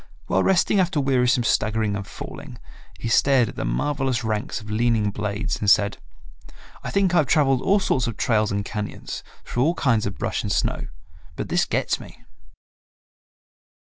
While resting after wearisome staggering and falling he stared at the marvelous ranks of leaning blades, and said, "I think I have traveled all sorts of trails and cañons, through all kinds of brush and snow, but this gets me."